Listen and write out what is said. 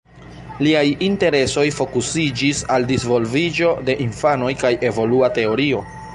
Liaj interesoj fokusiĝis al disvolviĝo de infanoj kaj evolua teorio.